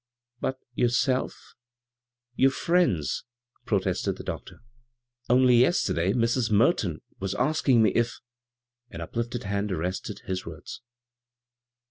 "But' yourself — your friends I" protested the doctor. "Only yesterday Mrs. Merton was asking me if " An uplifted hand arrested his words.